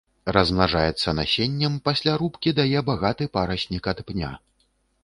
Размнажаецца насеннем, пасля рубкі дае багаты параснік ад пня.